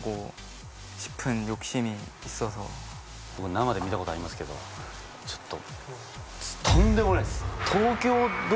僕生で見たことありますけどちょっと。